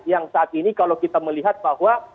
yang saat ini kalau kita melihat bahwa